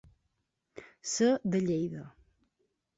Ser de Lleida.